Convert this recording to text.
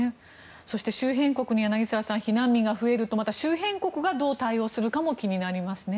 そして、周辺国に避難民が増えると周辺国がどう対応するかも気になりますね。